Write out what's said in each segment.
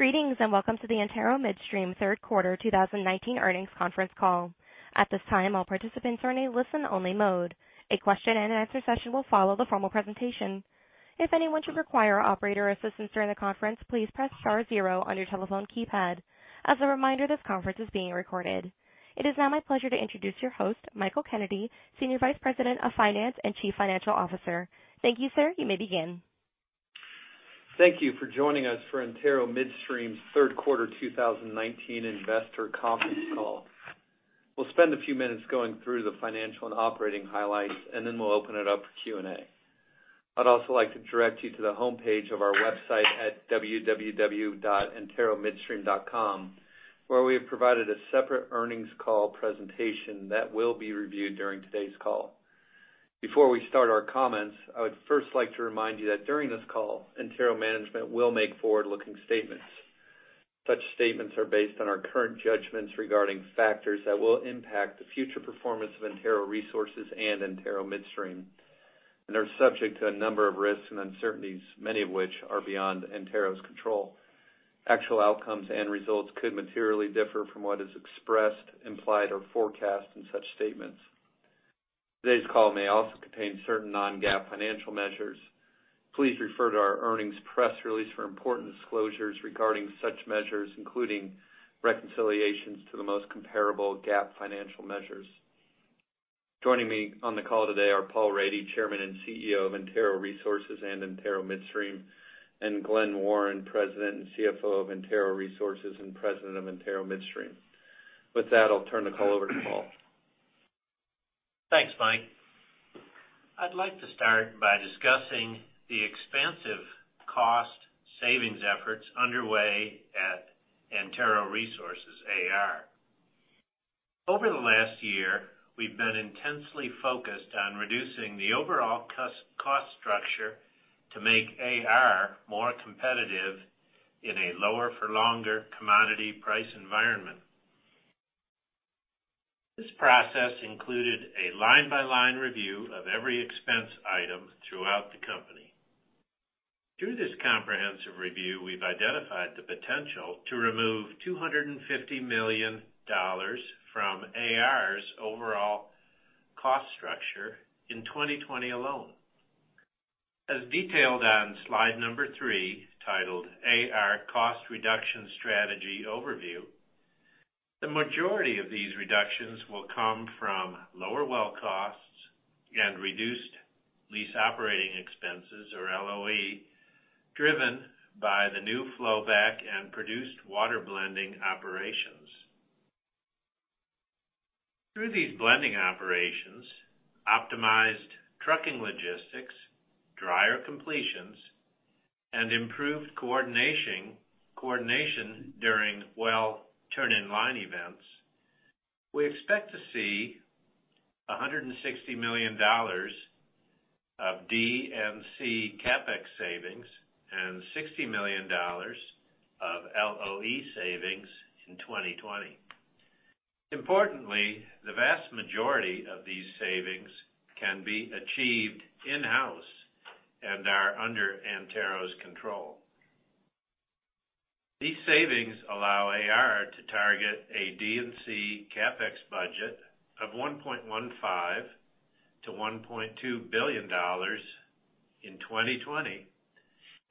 Greetings, and welcome to the Antero Midstream third quarter 2019 earnings conference call. At this time, all participants are in a listen-only mode. A question-and-answer session will follow the formal presentation. If anyone should require our operator assistance during the conference, please press star zero on your telephone keypad. As a reminder, this conference is being recorded. It is now my pleasure to introduce your host, Michael Kennedy, Senior Vice President of Finance and Chief Financial Officer. Thank you, sir. You may begin. Thank you for joining us for Antero Midstream's third quarter 2019 investor conference call. We'll spend a few minutes going through the financial and operating highlights, and then we'll open it up for Q&A. I'd also like to direct you to the homepage of our website at www.anteromidstream.com, where we have provided a separate earnings call presentation that will be reviewed during today's call. Before we start our comments, I would first like to remind you that during this call, Antero management will make forward-looking statements. Such statements are based on our current judgments regarding factors that will impact the future performance of Antero Resources and Antero Midstream, and are subject to a number of risks and uncertainties, many of which are beyond Antero's control. Actual outcomes and results could materially differ from what is expressed, implied, or forecast in such statements. Today's call may also contain certain non-GAAP financial measures. Please refer to our earnings press release for important disclosures regarding such measures, including reconciliations to the most comparable GAAP financial measures. Joining me on the call today are Paul Rady, Chairman and CEO of Antero Resources and Antero Midstream, and Glen Warren, President and CFO of Antero Resources, and President of Antero Midstream. With that, I'll turn the call over to Paul. Thanks, Mike. I'd like to start by discussing the expansive cost savings efforts underway at Antero Resources, AR. Over the last year, we've been intensely focused on reducing the overall cost structure to make AR more competitive in a lower-for-longer commodity price environment. This process included a line-by-line review of every expense item throughout the company. Through this comprehensive review, we've identified the potential to remove $250 million from AR's overall cost structure in 2020 alone. As detailed on slide number three, titled AR Cost Reduction Strategy Overview, the majority of these reductions will come from lower well costs and reduced lease operating expenses, or LOE, driven by the new flowback and produced water blending operations. Through these blending operations, optimized trucking logistics, drier completions, and improved coordination during well turn-in-line events, we expect to see $160 million of D&C CapEx savings and $60 million of LOE savings in 2020. Importantly, the vast majority of these savings can be achieved in-house and are under Antero's control. These savings allow AR to target a D&C CapEx budget of $1.15 billion-$1.2 billion in 2020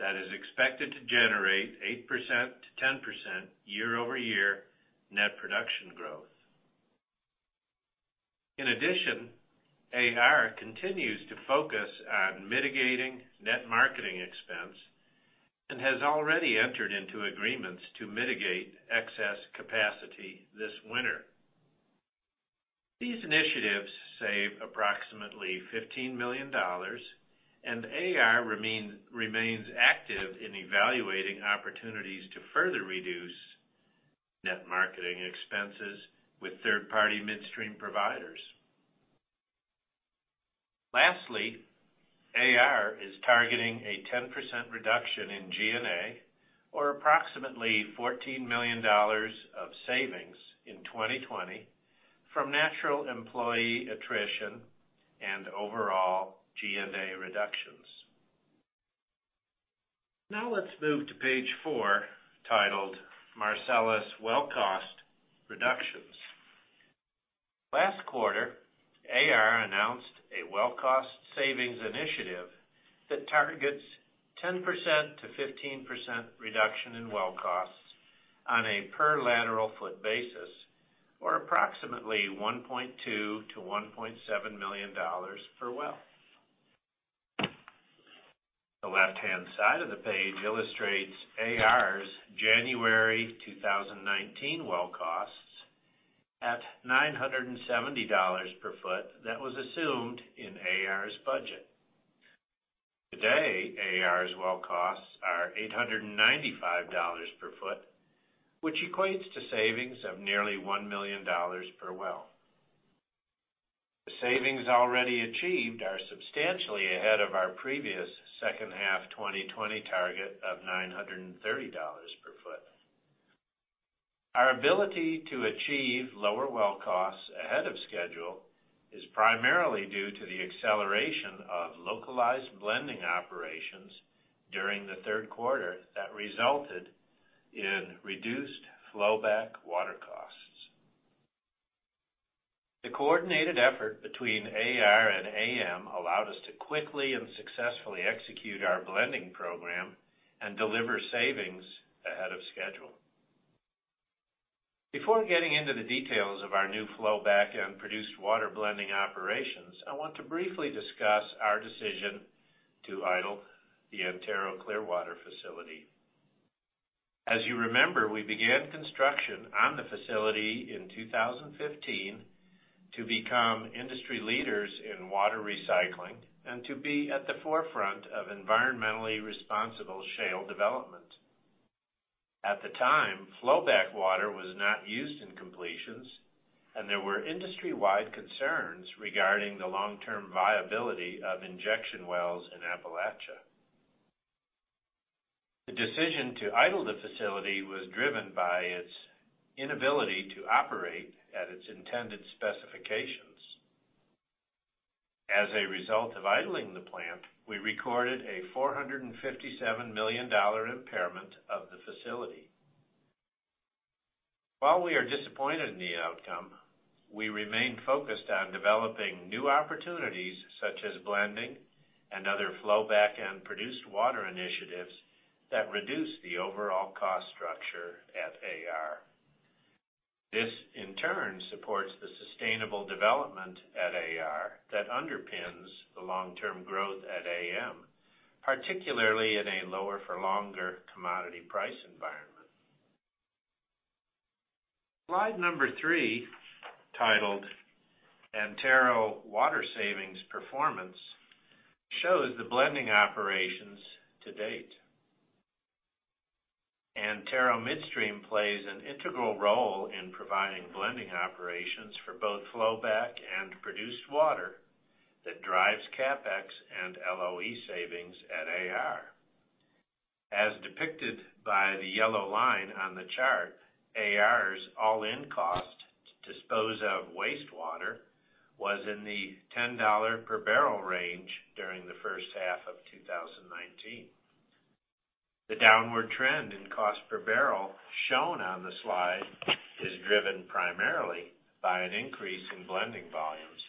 that is expected to generate 8%-10% year-over-year net production growth. In addition, AR continues to focus on mitigating net marketing expense and has already entered into agreements to mitigate excess capacity this winter. These initiatives save approximately $15 million, and AR remains active in evaluating opportunities to further reduce net marketing expenses with third-party midstream providers. Lastly, AR is targeting a 10% reduction in G&A or approximately $14 million of savings in 2020 from natural employee attrition and overall G&A reductions. Now let's move to page four, titled Marcellus Well Cost Reductions. Last quarter, AR announced a well cost savings initiative that targets 10%-15% reduction in well costs on a per lateral foot basis, or approximately $1.2 million-$1.7 million per well. The left-hand side of the page illustrates AR's January 2019 well costs at $970 per foot that was assumed in AR's budget. Today, AR's well costs are $895 per foot, which equates to savings of nearly $1 million per well. The savings already achieved are substantially ahead of our previous second half 2020 target of $930 per foot. Our ability to achieve lower well costs ahead of schedule is primarily due to the acceleration of localized blending operations during the third quarter that resulted in reduced flowback water costs. The coordinated effort between AR and AM allowed us to quickly and successfully execute our blending program and deliver savings ahead of schedule. Before getting into the details of our new flowback and produced water blending operations, I want to briefly discuss our decision to idle the Antero Clearwater Facility. As you remember, we began construction on the facility in 2015 to become industry leaders in water recycling and to be at the forefront of environmentally responsible shale development. At the time, flowback water was not used in completions, and there were industry-wide concerns regarding the long-term viability of injection wells in Appalachia. The decision to idle the facility was driven by its inability to operate at its intended specifications. As a result of idling the plant, we recorded a $457 million impairment of the facility. While we are disappointed in the outcome, we remain focused on developing new opportunities such as blending and other flowback and produced water initiatives that reduce the overall cost structure at AR. This, in turn, supports the sustainable development at AR that underpins the long-term growth at AM, particularly in a lower-for-longer commodity price environment. Slide number three, titled "Antero Water Savings Performance," shows the blending operations to date. Antero Midstream plays an integral role in providing blending operations for both flowback and produced water that drives CapEx and LOE savings at AR. As depicted by the yellow line on the chart, AR's all-in cost to dispose of wastewater was in the $10 per barrel range during the first half of 2019. The downward trend in cost per barrel shown on the slide is driven primarily by an increase in blending volumes,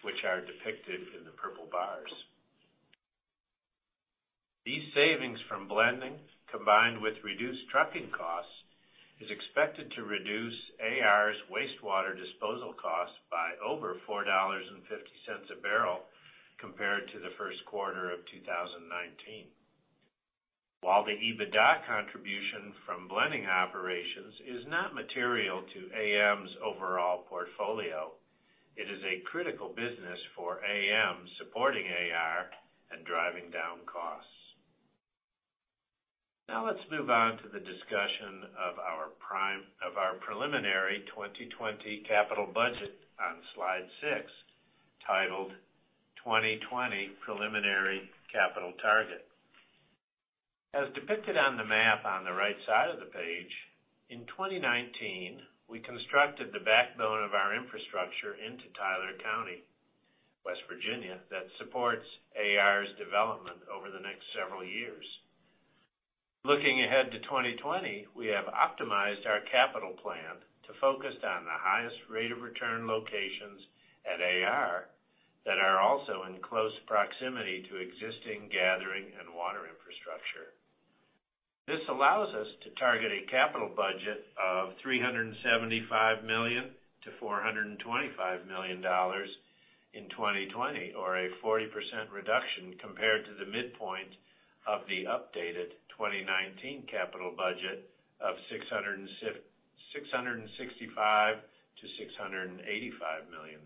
which are depicted in the purple bars. These savings from blending, combined with reduced trucking costs, is expected to reduce AR's wastewater disposal costs by over $4.50 a barrel compared to the first quarter of 2019. While the EBITDA contribution from blending operations is not material to AM's overall portfolio, it is a critical business for AM supporting AR and driving down costs. Now let's move on to the discussion of our preliminary 2020 capital budget on slide six, titled "2020 Preliminary Capital Target." As depicted on the map on the right side of the page, in 2019, we constructed the backbone of our infrastructure into Tyler County, West Virginia, that supports AR's development over the next several years. Looking ahead to 2020, we have optimized our capital plan to focus on the highest rate of return locations at AR that are also in close proximity to existing gathering and water infrastructure. This allows us to target a capital budget of $375 million-$425 million in 2020, or a 40% reduction compared to the midpoint of the updated 2019 capital budget of $665 million-$685 million.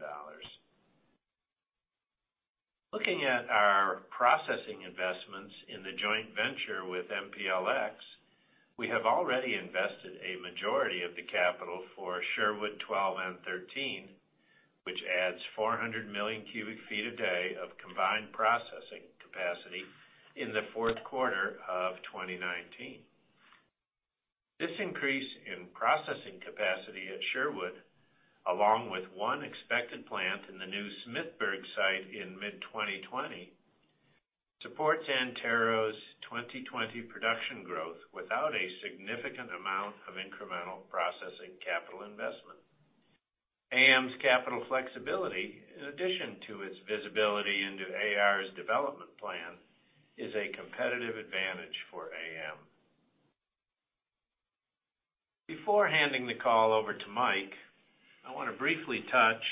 Looking at our processing investments in the joint venture with MPLX, we have already invested a majority of the capital for Sherwood 12 and 13, which adds 400 million cubic feet a day of combined processing capacity in the fourth quarter of 2019. This increase in processing capacity at Sherwood, along with one expected plant in the new Smithburg site in mid-2020, supports Antero's 2020 production growth without a significant amount of incremental processing capital investment. AM's capital flexibility, in addition to its visibility into AR's development plan, is a competitive advantage for AM. Before handing the call over to Mike, I want to briefly touch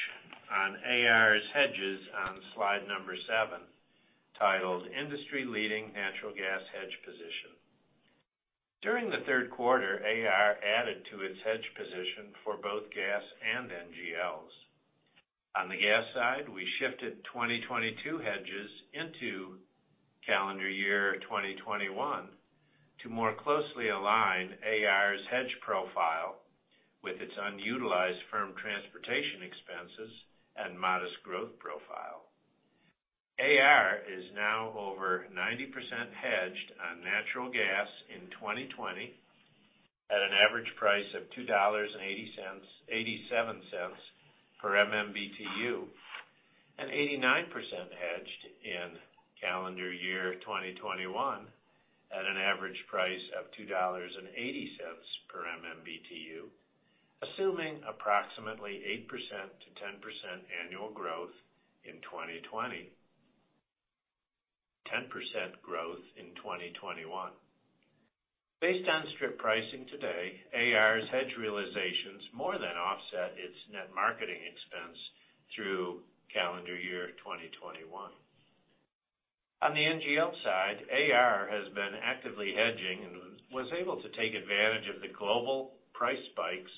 on AR's hedges on slide number seven, titled "Industry Leading Natural Gas Hedge Position." During the third quarter, AR added to its hedge position for both gas and NGLs. On the gas side, we shifted 2022 hedges into calendar year 2021 to more closely align AR's hedge profile with its unutilized firm transportation expenses and modest growth profile. AR is now over 90% hedged on natural gas in 2020 at an average price of $2.87 per MMBtu, and 89% hedged in calendar year 2021 at an average price of $2.80 per MMBtu, assuming approximately 8%-10% annual growth in 2020, 10% growth in 2021. Based on strip pricing today, AR's hedge realizations more than offset its net marketing expense through calendar year 2021. On the NGL side, AR has been actively hedging and was able to take advantage of the global price spikes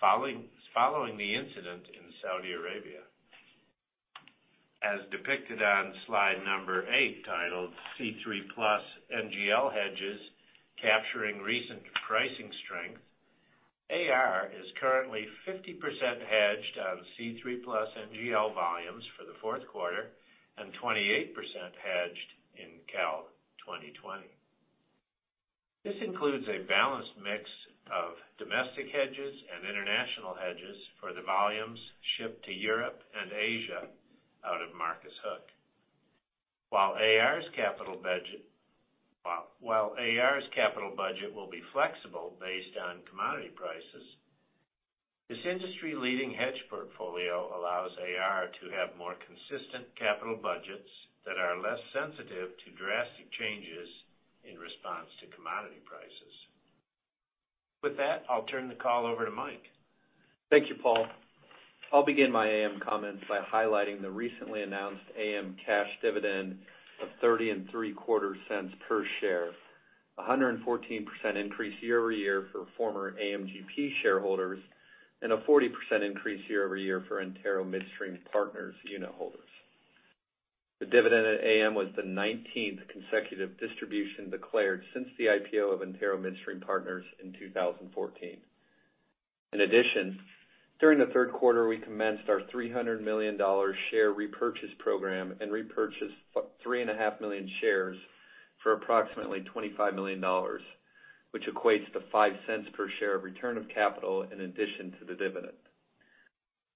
following the incident in Saudi Arabia. As depicted on slide number eight, titled C3+ NGL Hedges Capturing Recent Pricing Strength, AR is currently 50% hedged on C3+ NGL volumes for the fourth quarter and 28% hedged in cal 2020. This includes a balanced mix of domestic hedges and international hedges for the volumes shipped to Europe and Asia out of Marcus Hook. While AR's capital budget will be flexible based on commodity prices, this industry-leading hedge portfolio allows AR to have more consistent capital budgets that are less sensitive to drastic changes in response to commodity prices. With that, I'll turn the call over to Mike. Thank you, Paul. I'll begin my AM comments by highlighting the recently announced AM cash dividend of $0.3075 per share, 114% increase year-over-year for former AMGP shareholders. A 40% increase year-over-year for Antero Midstream Partners unit holders. The dividend at AM was the 19th consecutive distribution declared since the IPO of Antero Midstream Partners in 2014. In addition, during the third quarter, we commenced our $300 million share repurchase program and repurchased 3.5 million shares for approximately $25 million, which equates to $0.05 per share of return of capital in addition to the dividend.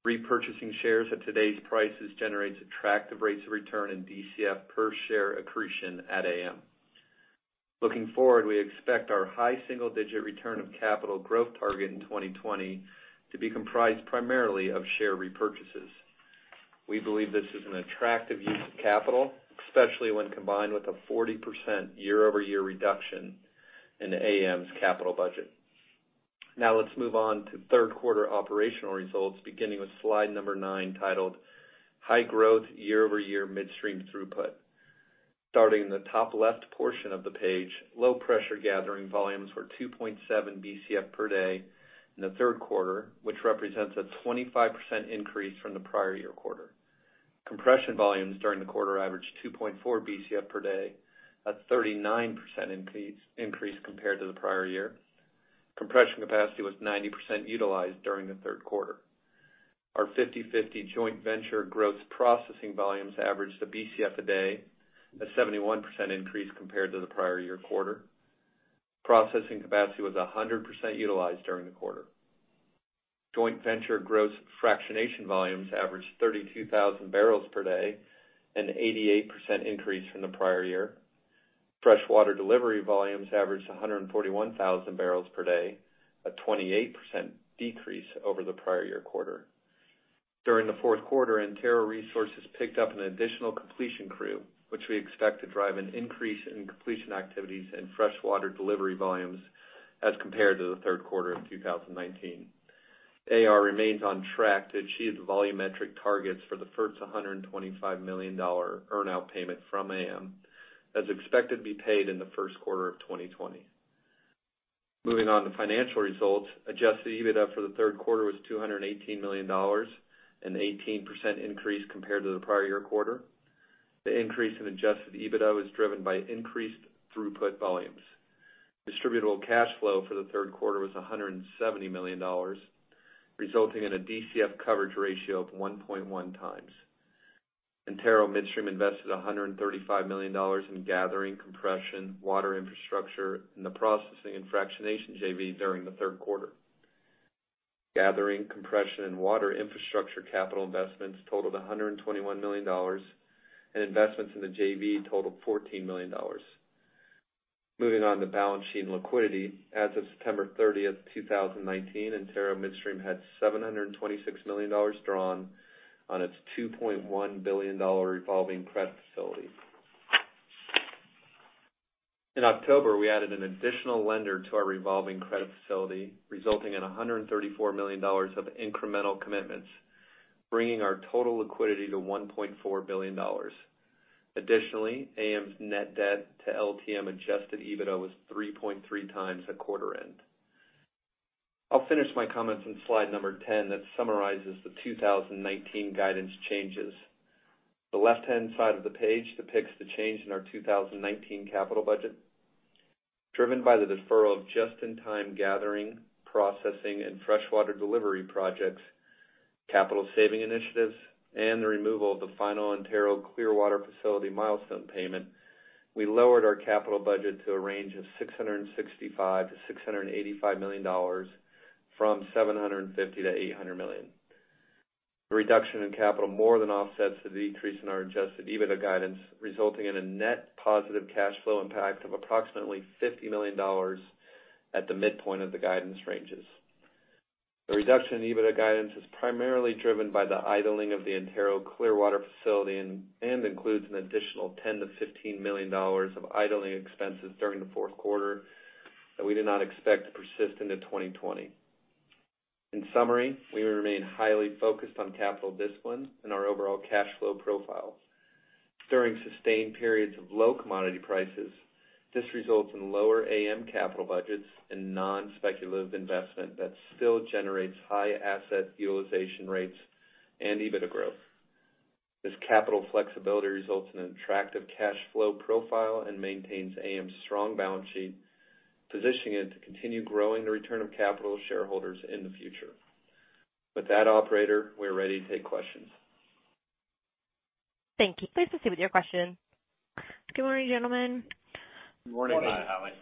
Repurchasing shares at today's prices generates attractive rates of return in DCF per share accretion at AM. Looking forward, we expect our high single-digit return of capital growth target in 2020 to be comprised primarily of share repurchases. We believe this is an attractive use of capital, especially when combined with a 40% year-over-year reduction in AM's capital budget. Let's move on to third quarter operational results, beginning with slide number nine, titled High Growth Year-over-Year Midstream Throughput. Starting in the top left portion of the page, low pressure gathering volumes were 2.7 Bcf per day in the third quarter, which represents a 25% increase from the prior year quarter. Compression volumes during the quarter averaged 2.4 Bcf per day. That's 39% increase compared to the prior year. Compression capacity was 90% utilized during the third quarter. Our 50/50 joint venture gross processing volumes averaged a Bcf a day, a 71% increase compared to the prior year quarter. Processing capacity was 100% utilized during the quarter. Joint venture gross fractionation volumes averaged 32,000 barrels per day, an 88% increase from the prior year. Fresh water delivery volumes averaged 141,000 barrels per day, a 28% decrease over the prior year quarter. During the fourth quarter, Antero Resources picked up an additional completion crew, which we expect to drive an increase in completion activities and fresh water delivery volumes as compared to the third quarter of 2019. AR remains on track to achieve the volumetric targets for the first $125 million earn out payment from AM, as expected to be paid in the first quarter of 2020. Moving on to financial results. Adjusted EBITDA for the third quarter was $218 million, an 18% increase compared to the prior year quarter. The increase in adjusted EBITDA was driven by increased throughput volumes. Distributable cash flow for the third quarter was $170 million, resulting in a DCF coverage ratio of 1.1 times. Antero Midstream invested $135 million in gathering, compression, water infrastructure in the processing and fractionation JV during the third quarter. Gathering, compression, and water infrastructure capital investments totaled $121 million, and investments in the JV totaled $14 million. Moving on to balance sheet and liquidity. As of September 30th, 2019, Antero Midstream had $726 million drawn on its $2.1 billion revolving credit facility. In October, we added an additional lender to our revolving credit facility, resulting in $134 million of incremental commitments, bringing our total liquidity to $1.4 billion. Additionally, AM's net debt to LTM adjusted EBITDA was 3.3 times at quarter end. I'll finish my comments on slide number 10 that summarizes the 2019 guidance changes. The left-hand side of the page depicts the change in our 2019 capital budget, driven by the deferral of just-in-time gathering, processing, and freshwater delivery projects, capital saving initiatives, and the removal of the final Antero Clearwater Facility milestone payment, we lowered our capital budget to a range of $665 million-$685 million from $750 million-$800 million. The reduction in capital more than offsets the decrease in our adjusted EBITDA guidance, resulting in a net positive cash flow impact of approximately $50 million at the midpoint of the guidance ranges. The reduction in EBITDA guidance is primarily driven by the idling of the Antero Clearwater Facility and includes an additional $10 million-$15 million of idling expenses during the fourth quarter that we did not expect to persist into 2020. In summary, we remain highly focused on capital discipline and our overall cash flow profile. During sustained periods of low commodity prices, this results in lower AM capital budgets and non-speculative investment that still generates high asset utilization rates and EBITDA growth. This capital flexibility results in an attractive cash flow profile and maintains AM's strong balance sheet, positioning it to continue growing the return of capital to shareholders in the future. With that, operator, we are ready to take questions. Thank you. Please proceed with your question. Good morning, gentlemen. Good morning. Good morning.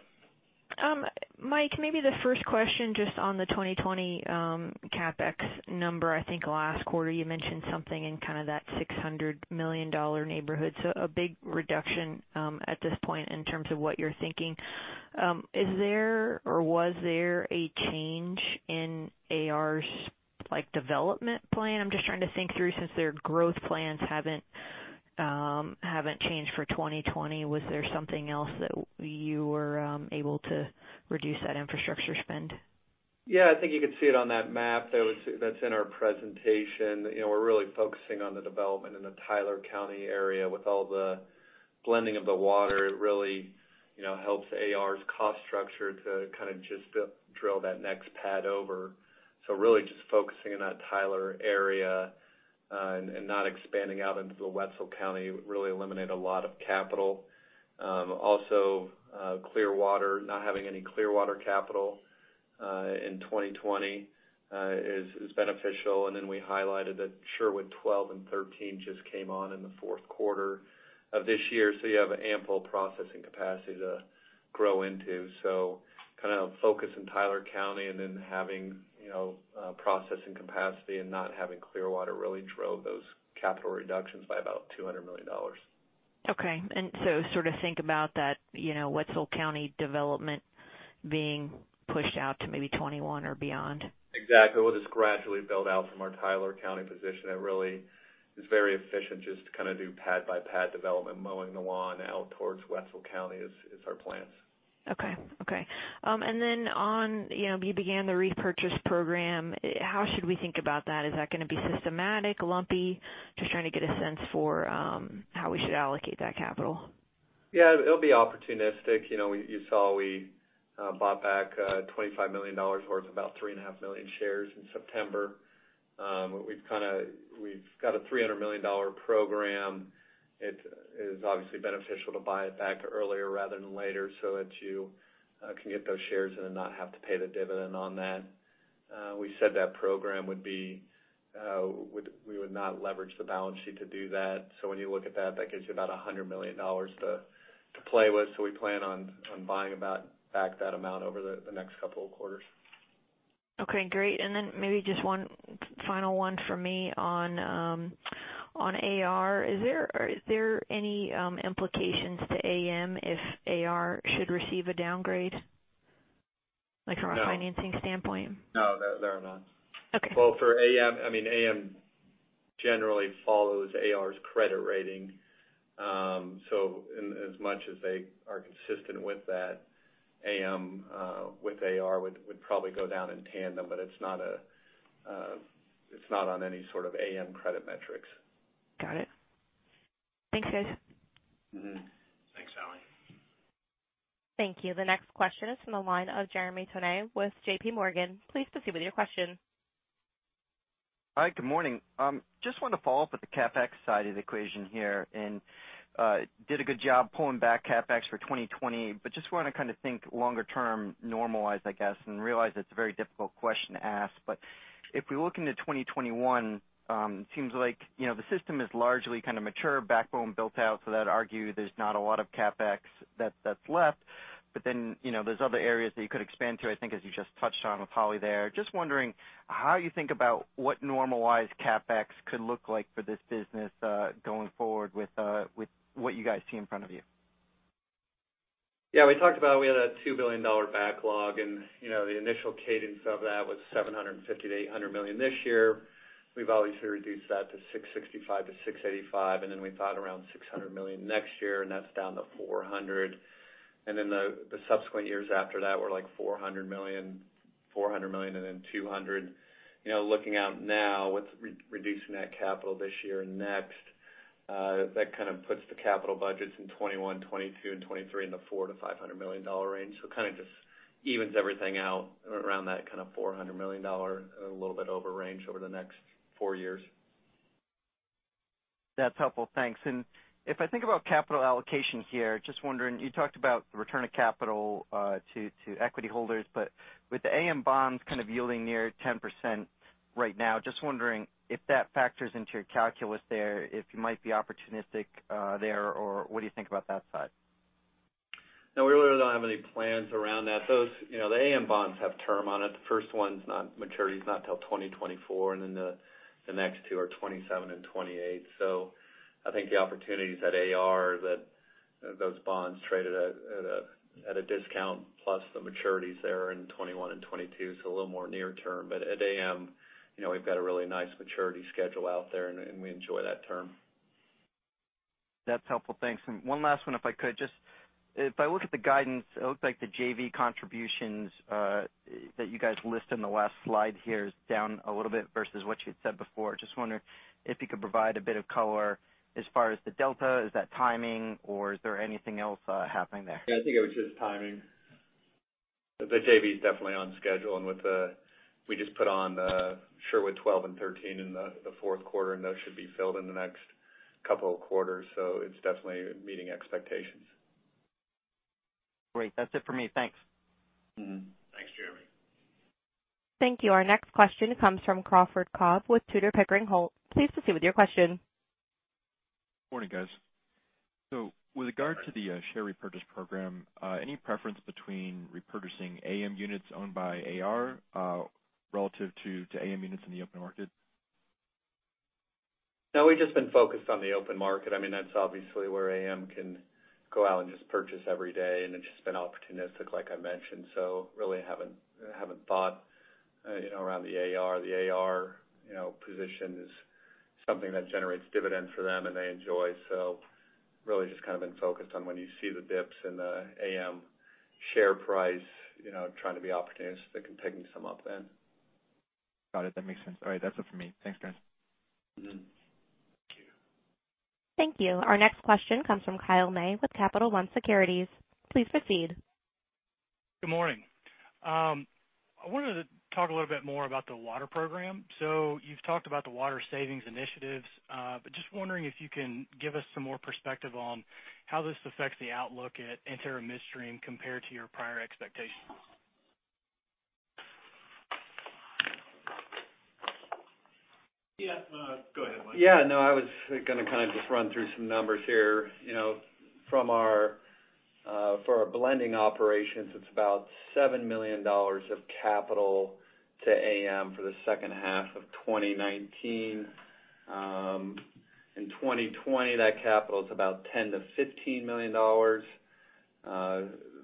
Mike, maybe the first question just on the 2020 CapEx number. I think last quarter you mentioned something in that $600 million neighborhood, so a big reduction at this point in terms of what you're thinking. Is there or was there a change in AR's development plan? I'm just trying to think through since their growth plans haven't changed for 2020. Was there something else that you were able to reduce that infrastructure spend? Yeah, I think you could see it on that map that's in our presentation. We're really focusing on the development in the Tyler County area with all the blending of the water. It really helps AR's cost structure to just drill that next pad over. Really just focusing in that Tyler area and not expanding out into the Wetzel County would really eliminate a lot of capital. Also, not having any Clearwater capital in 2020 is beneficial. We highlighted that Sherwood 12 and 13 just came on in the fourth quarter of this year. You have ample processing capacity to grow into. Focusing in Tyler County and then having processing capacity and not having Clearwater really drove those capital reductions by about $200 million. Okay. Sort of think about that Wetzel County development being pushed out to maybe 2021 or beyond? Exactly. We'll just gradually build out from our Tyler County position. It really is very efficient just to do pad by pad development, mowing the lawn out towards Wetzel County is our plan. Okay. You began the repurchase program. How should we think about that? Is that going to be systematic, lumpy? Just trying to get a sense for how we should allocate that capital. It'll be opportunistic. You saw we bought back $25 million, or it's about 3.5 million shares in September. We've got a $300 million program. It is obviously beneficial to buy it back earlier rather than later so that you can get those shares and then not have to pay the dividend on that. We said that program we would not leverage the balance sheet to do that. When you look at that gives you about $100 million to play with. We plan on buying back that amount over the next couple of quarters. Okay, great. Maybe just one final one from me on AR. Is there any implications to AM if AR should receive a downgrade? No from a financing standpoint? No, there are none. Okay. Well, for AM generally follows AR's credit rating. As much as they are consistent with that, AM with AR would probably go down in tandem, but it's not on any sort of AM credit metrics. Got it. Thanks, guys. Thanks, Ally. Thank you. The next question is from the line of Jeremy Tonet with J.P. Morgan. Please proceed with your question. Hi, good morning. Just wanted to follow up with the CapEx side of the equation here. Did a good job pulling back CapEx for 2020, just want to kind of think longer term normalized, I guess, realize it's a very difficult question to ask. If we look into 2021, it seems like the system is largely kind of mature backbone built out, that argue there's not a lot of CapEx that's left, there's other areas that you could expand to, I think, as you just touched on with Holly there. Just wondering how you think about what normalized CapEx could look like for this business going forward with what you guys see in front of you. Yeah, we talked about we had a $2 billion backlog, and the initial cadence of that was $750 million-$800 million this year. We've obviously reduced that to $665 million-$685 million, and then we thought around $600 million next year, and that's down to $400 million. The subsequent years after that were like $400 million, $400 million, and then $200 million. Looking out now with reducing that capital this year and next, that kind of puts the capital budgets in 2021, 2022, and 2023 in the $400 million-$500 million range. Kind of just evens everything out around that kind of $400 million, a little bit over range over the next four years. That's helpful. Thanks. If I think about capital allocation here, just wondering, you talked about the return of capital to equity holders, but with the AM bonds kind of yielding near 10% right now, just wondering if that factors into your calculus there, if you might be opportunistic there, or what do you think about that side? No, we really don't have any plans around that. The AM bonds have term on it. The first one's maturity's not till 2024, and then the next two are 2027 and 2028. I think the opportunities at AR that those bonds trade at a discount, plus the maturities there in 2021 and 2022, so a little more near-term. At AM, we've got a really nice maturity schedule out there, and we enjoy that term. That's helpful. Thanks. One last one, if I could. If I look at the guidance, it looks like the JV contributions that you guys list in the last slide here is down a little bit versus what you had said before. Just wondering if you could provide a bit of color as far as the delta. Is that timing, or is there anything else happening there? Yeah, I think it was just timing. The JV's definitely on schedule, and we just put on the Sherwood 12 and 13 in the fourth quarter, and those should be filled in the next couple of quarters. It's definitely meeting expectations. Great. That's it for me. Thanks. Mm-hmm. Thanks, Jeremy. Thank you. Our next question comes from Crawford Kob with Tudor, Pickering Holt. Please proceed with your question. Morning, guys. With regard to the share repurchase program, any preference between repurchasing AM units owned by AR relative to AM units in the open market? We've just been focused on the open market. That's obviously where AM can go out and just purchase every day and then just been opportunistic, like I mentioned. Really haven't thought around the AR. The AR position is something that generates dividends for them and they enjoy. Really just kind of been focused on when you see the dips in the AM share price, trying to be opportunistic and picking some up then. Got it. That makes sense. All right. That's it for me. Thanks, guys. Thank you. Thank you. Our next question comes from Kyle May with Capital One Securities. Please proceed. Good morning. I wanted to talk a little bit more about the water program. You've talked about the water savings initiatives, just wondering if you can give us some more perspective on how this affects the outlook at Antero Midstream compared to your prior expectations. Yeah. Go ahead, Mike. Yeah, no, I was gonna kind of just run through some numbers here. For our blending operations, it's about $7 million of capital to AM for the second half of 2019. In 2020, that capital is about $10 million-$15 million.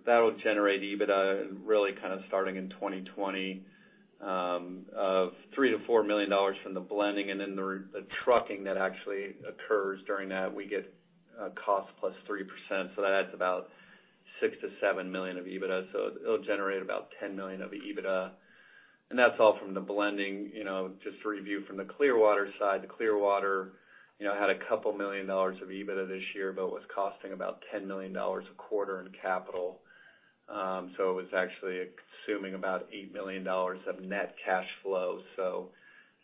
That'll generate EBITDA, really kind of starting in 2020, of $3 million-$4 million from the blending and then the trucking that actually occurs during that. We get a cost plus 3%, that adds about $6 million-$7 million of EBITDA. It'll generate about $10 million of EBITDA. That's all from the blending. Just to review from the Clearwater side, the Clearwater had a couple million dollars of EBITDA this year, but was costing about $10 million a quarter in capital. It was actually consuming about $8 million of net cash flow.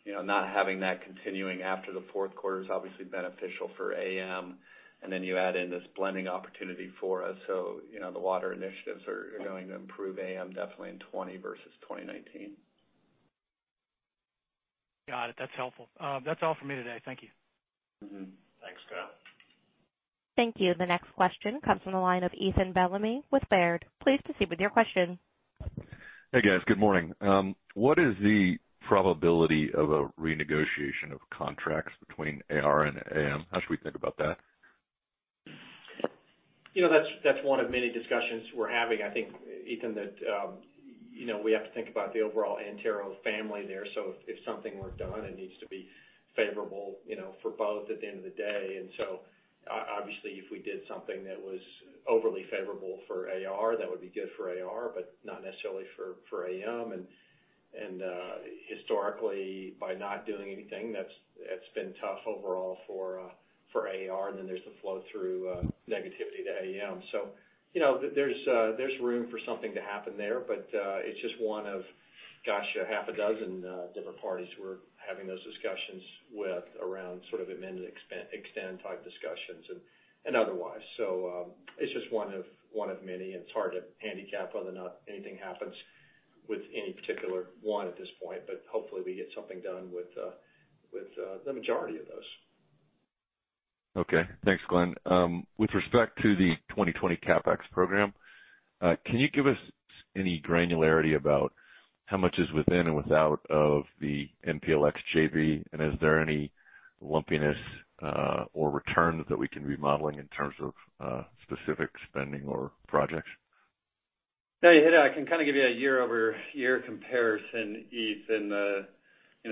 Not having that continuing after the fourth quarter is obviously beneficial for AM, and then you add in this blending opportunity for us. The water initiatives are going to improve AM definitely in 2020 versus 2019. Got it. That's helpful. That's all for me today. Thank you. Mm-hmm. Thanks, Kyle. Thank you. The next question comes from the line of Ethan Bellamy with Baird. Please proceed with your question. Hey, guys. Good morning. What is the probability of a renegotiation of contracts between AR and AM? How should we think about that? That's one of many discussions we're having, I think, Ethan, that we have to think about the overall Antero family there. If something were done, it needs to be favorable for both at the end of the day. Obviously, if we did something that was overly favorable for AR, that would be good for AR, but not necessarily for AM. Historically, by not doing anything, that's been tough overall for AR, and then there's the flow-through negativity to AM. There's room for something to happen there, but it's just one of, gosh, a half a dozen different parties we're having those discussions with around sort of amend and extend type discussions and otherwise. It's just one of many, and it's hard to handicap whether or not anything happens with any particular one at this point. Hopefully we get something done with the majority of those. Okay. Thanks, Glen. With respect to the 2020 CapEx program, can you give us any granularity about how much is within and without of the MPLX JV, and is there any lumpiness or returns that we can be modeling in terms of specific spending or projects? Yeah. I can kind of give you a year-over-year comparison, Ethan. The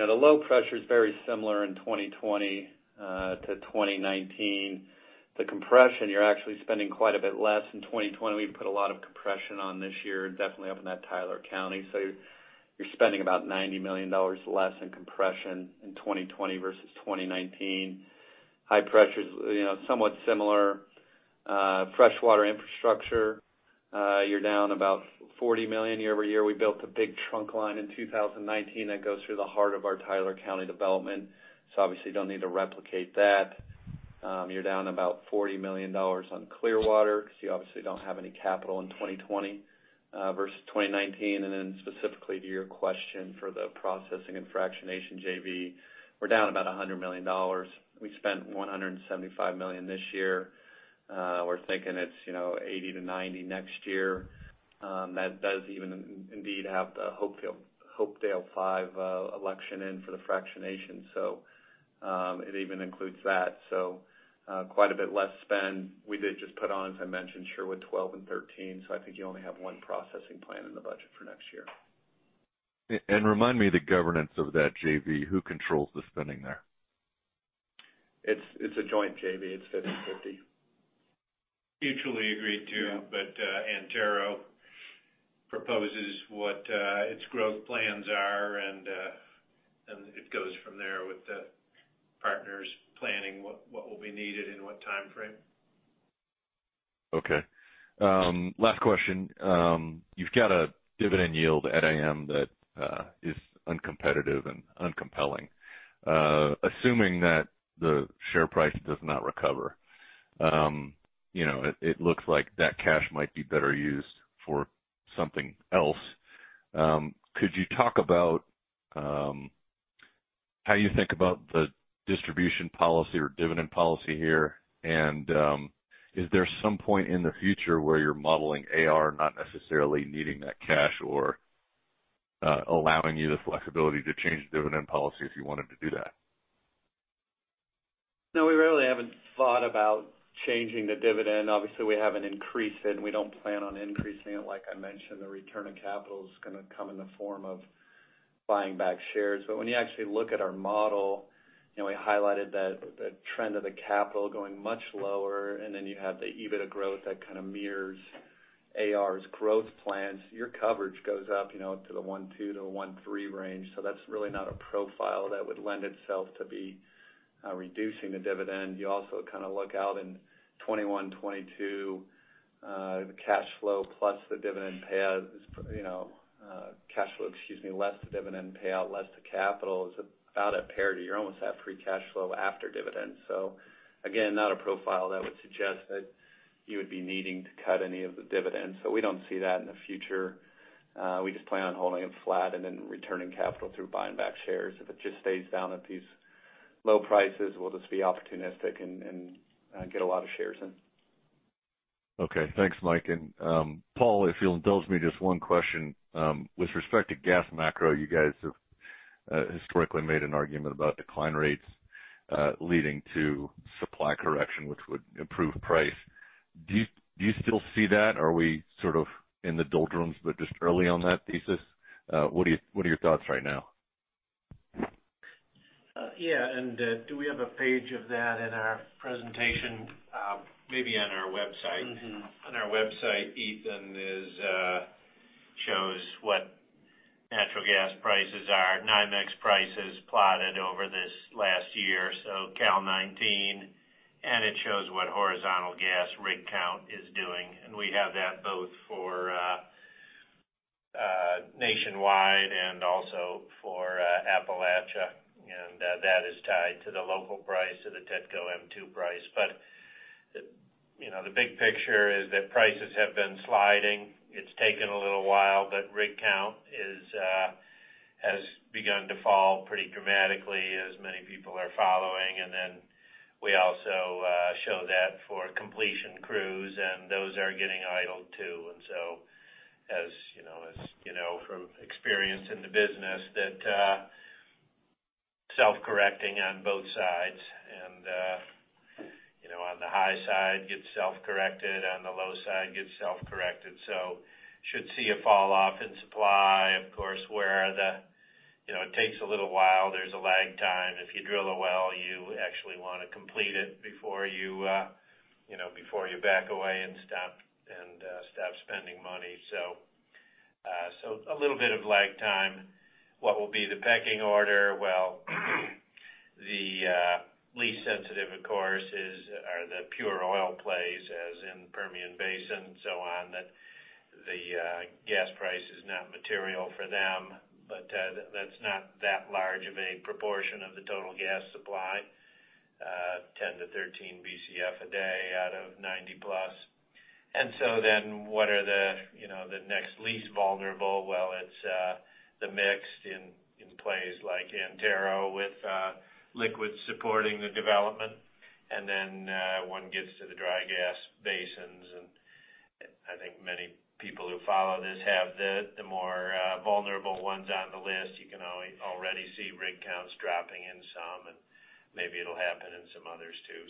low pressure's very similar in 2020 to 2019. The compression, you're actually spending quite a bit less in 2020. We put a lot of compression on this year, definitely up in that Tyler County. You're spending about $90 million less in compression in 2020 versus 2019. High pressure somewhat similar freshwater infrastructure. You're down about $40 million year-over-year. We built a big trunk line in 2019 that goes through the heart of our Tyler County development, obviously don't need to replicate that. You're down about $40 million on clearwater, because you obviously don't have any capital in 2020 versus 2019. Specifically to your question for the processing and fractionation JV, we're down about $100 million. We spent $175 million this year. We're thinking it's $80 million-$90 million next year. That does even indeed have the Hopedale 5 election in for the fractionation. It even includes that. Quite a bit less spend. We did just put on, as I mentioned, Sherwood 12 and 13, so I think you only have one processing plant in the budget for next year. Remind me the governance of that JV. Who controls the spending there? It's a joint JV. It's 50/50. Mutually agreed to. Yeah. Antero proposes what its growth plans are, and it goes from there with the partners planning what will be needed in what timeframe. Okay. Last question. You've got a dividend yield at AM that is uncompetitive and uncompelling. Assuming that the share price does not recover, it looks like that cash might be better used for something else. Could you talk about how you think about the distribution policy or dividend policy here? Is there some point in the future where you're modeling AR not necessarily needing that cash or allowing you the flexibility to change the dividend policy if you wanted to do that? No. We really haven't thought about changing the dividend. Obviously, we haven't increased it, and we don't plan on increasing it. Like I mentioned, the return of capital is going to come in the form of buying back shares. When you actually look at our model, we highlighted the trend of the capital going much lower, and then you have the EBITDA growth that kind of mirrors AR's growth plans. Your coverage goes up to the one-two to a one-three range. That's really not a profile that would lend itself to be reducing the dividend. You also kind of look out in 2021, 2022, the cash flow plus the dividend payout, cash flow, excuse me, less the dividend payout, less the capital is about at parity. You're almost at free cash flow after dividends. Again, not a profile that would suggest that you would be needing to cut any of the dividends. We don't see that in the future. We just plan on holding it flat and then returning capital through buying back shares. If it just stays down at these low prices, we'll just be opportunistic and get a lot of shares in. Okay. Thanks, Mike. Paul, if you'll indulge me just one question. With respect to gas macro, you guys have historically made an argument about decline rates leading to supply correction, which would improve price. Do you still see that, or are we sort of in the doldrums but just early on that thesis? What are your thoughts right now? Yeah. Do we have a page of that in our presentation? Maybe on our website. On our website, Ethan shows what natural gas prices are, NYMEX prices plotted over this last year, so Cal '19, it shows what horizontal gas rig count is doing. We have that both for nationwide and also for Appalachia, and that is tied to the local price of the TETCO M-2 price. The big picture is that prices have been sliding. It's taken a little while, but rig count has begun to fall pretty dramatically as many people are following. We also show that for completion crews, those are getting idled, too. As from experience in the business, that self-correcting on both sides. On the high side, gets self-corrected, on the low side, gets self-corrected. Should see a fall-off in supply. Of course, it takes a little while. There's a lag time. If you drill a well, you actually want to complete it before you back away and stop spending money. A little bit of lag time. What will be the pecking order? Well, the least sensitive, of course, are the pure oil plays, as in Permian Basin and so on, that the gas price is not material for them. But that's not that large of a proportion of the total gas supply, 10 to 13 Bcf a day out of 90 plus. What are the next least vulnerable? Well, it's the mix in plays like Antero with liquids supporting the development. One gets to the dry gas basins. I think many people who follow this have the more vulnerable ones on the list. You can already see rig counts dropping in some, and maybe it'll happen in some others, too.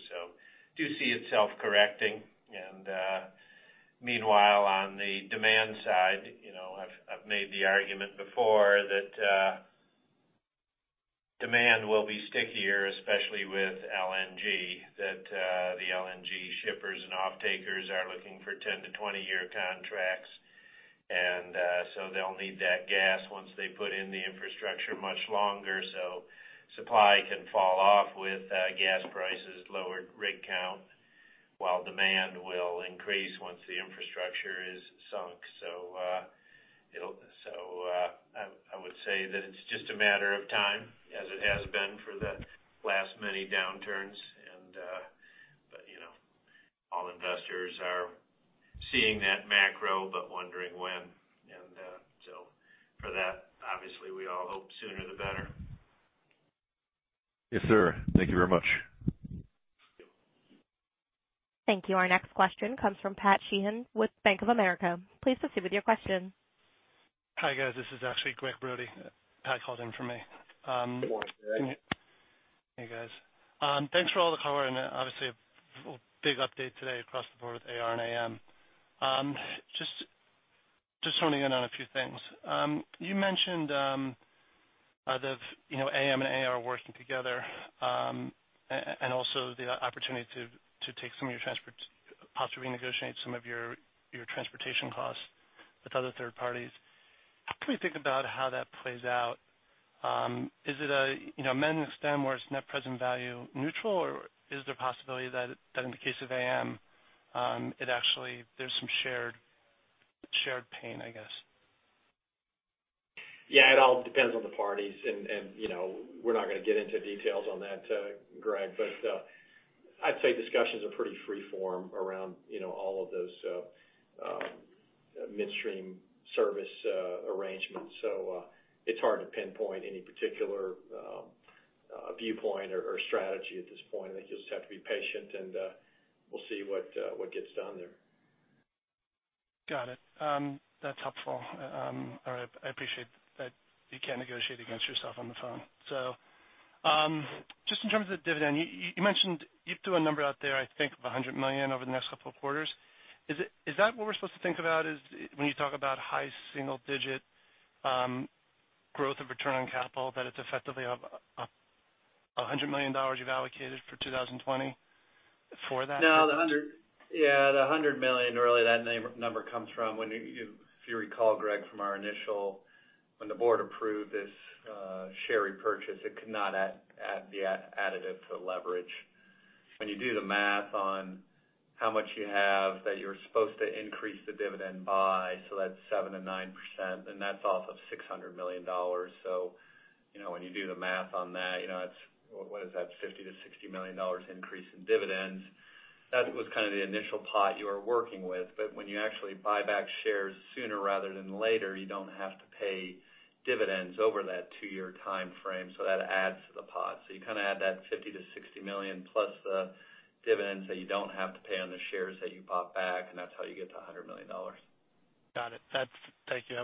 Do see it self-correcting. Meanwhile, on the demand side, I've made the argument before that demand will be stickier, especially with LNG, that the LNG shippers and offtakers are looking for 10 to 20 year contracts. They'll need that gas once they put in the infrastructure much longer, so supply can fall off with gas prices, lower rig count, while demand will increase once the infrastructure is sunk. I would say that it's just a matter of time, as it has been for the last many downturns. All investors are seeing that macro, but wondering when. For that, obviously, we all hope sooner the better. Yes, sir. Thank you very much. Thank you. Our next question comes from Patrick Sheehan with Bank of America. Please proceed with your question. Hi, guys. This is actually Gregg Brody. Pat called in for me. Good morning, Gregg. Hey, guys. Thanks for all the color and obviously a big update today across the board with AR and AM. Just honing in on a few things. You mentioned AM and AR working together, and also the opportunity to possibly renegotiate some of your transportation costs with other third parties. How can we think about how that plays out? Is it a mend and extend where it's net present value neutral, or is there a possibility that in the case of AM, there's some shared pain, I guess? Yeah, it all depends on the parties. We're not going to get into details on that, Gregg. I'd say discussions are pretty free form around all of those midstream service arrangements. It's hard to pinpoint any particular viewpoint or strategy at this point. I think you'll just have to be patient. We'll see what gets done there. Got it. That's helpful. I appreciate that you can't negotiate against yourself on the phone. Just in terms of dividend, you threw a number out there, I think, of $100 million over the next couple of quarters. Is that what we're supposed to think about when you talk about high single-digit growth of return on capital, that it's effectively $100 million you've allocated for 2020 for that? The $100 million, really that number comes from when you recall, Gregg, when the board approved this share repurchase, it could not be additive to leverage. You do the math on how much you have that you're supposed to increase the dividend by, so that's 7%-9%, and that's off of $600 million. You do the math on that, what is that, $50 million-$60 million increase in dividends. That was kind of the initial pot you were working with. When you actually buy back shares sooner rather than later, you don't have to pay dividends over that two-year timeframe. That adds to the pot. You kind of add that $50 million-$60 million plus the dividends that you don't have to pay on the shares that you bought back, that's how you get to $100 million. Got it. Thank you.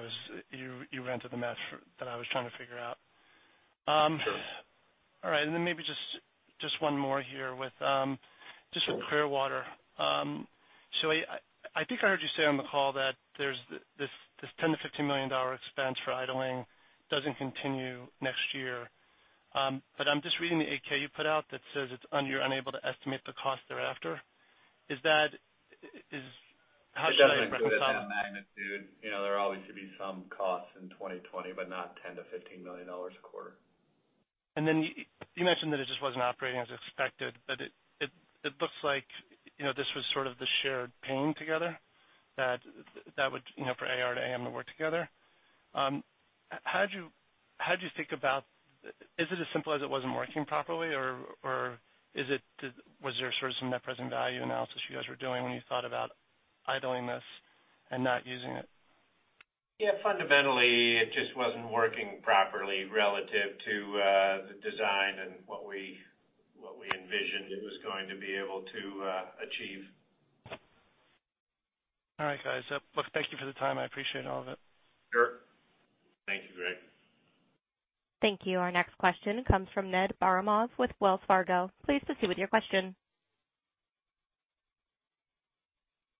You ran through the math that I was trying to figure out. Sure. All right. Maybe just one more here with just with Clearwater. I think I heard you say on the call that this $10 million-$15 million expense for idling doesn't continue next year. I'm just reading the 8-K you put out that says you're unable to estimate the cost thereafter. How should I interpret that? It doesn't include it in that magnitude. There will obviously be some costs in 2020, but not $10 million-$15 million a quarter. You mentioned that it just wasn't operating as expected, but it looks like this was sort of the shared pain together that would, for AR and AM to work together. Is it as simple as it wasn't working properly, or was there sort of some net present value analysis you guys were doing when you thought about idling this and not using it? Yeah, fundamentally, it just wasn't working properly relative to the design and what we envisioned it was going to be able to achieve. All right, guys. Look, thank you for the time. I appreciate all of it. Sure. Thank you, Gregg. Thank you. Our next question comes from Ned Baramov with Wells Fargo. Please proceed with your question.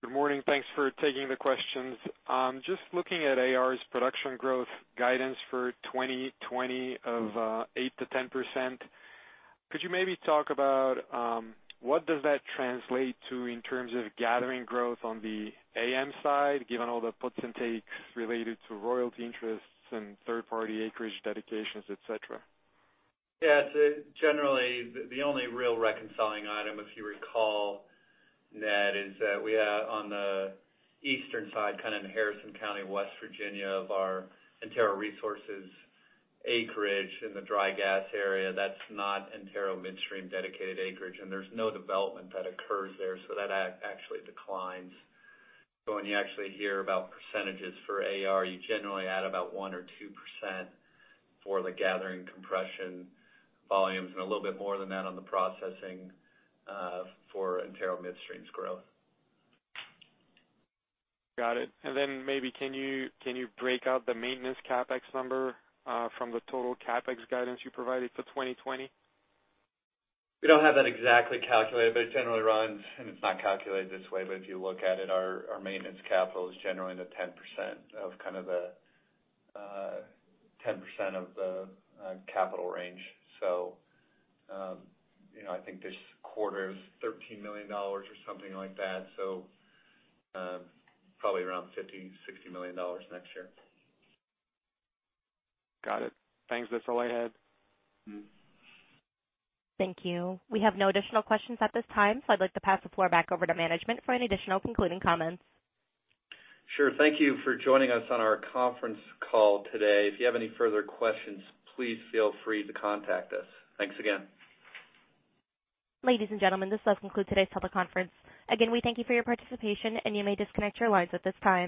Good morning. Thanks for taking the questions. Just looking at AR's production growth guidance for 2020 of 8%-10%. Could you maybe talk about what does that translate to in terms of gathering growth on the AM side, given all the puts and takes related to royalty interests and third-party acreage dedications, et cetera? Generally, the only real reconciling item, if you recall, Ned, is that we have on the eastern side, kind of in Harrison County, West Virginia, of our Antero Resources acreage in the dry gas area. That's not Antero Midstream dedicated acreage, and there's no development that occurs there. That actually declines. When you actually hear about percentages for AR, you generally add about 1% or 2% for the gathering compression volumes, and a little bit more than that on the processing for Antero Midstream's growth. Got it. Maybe, can you break out the maintenance CapEx number from the total CapEx guidance you provided for 2020? We don't have that exactly calculated, but it generally runs. It's not calculated this way, but if you look at it, our maintenance capital is generally in the 10% of the capital range. I think this quarter is $13 million or something like that. Probably around $50 million-$60 million next year. Got it. Thanks. That's all I had. Thank you. We have no additional questions at this time, so I'd like to pass the floor back over to management for any additional concluding comments. Sure. Thank you for joining us on our conference call today. If you have any further questions, please feel free to contact us. Thanks again. Ladies and gentlemen, this does conclude today's teleconference. We thank you for your participation, and you may disconnect your lines at this time.